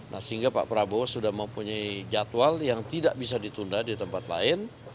nah sehingga pak prabowo sudah mempunyai jadwal yang tidak bisa ditunda di tempat lain